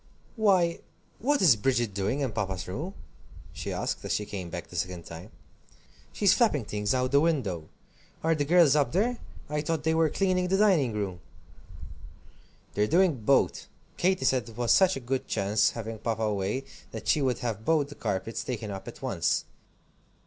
"Why what is Bridget doing in Papa's room?" she asked, as she came back the second time. "She's flapping things out of the window. Are the girls up there? I thought they were cleaning the dining room." "They're doing both. Katy said it was such a good chance, having Papa away, that she would have both the carpets taken up at once.